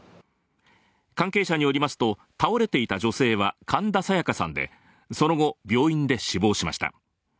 関係者によりますと、倒れていた女性は神田沙也加さんでその後、病院で死亡しました。